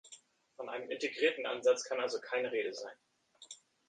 Von einem integrierten Ansatz kann also keine Rede sein.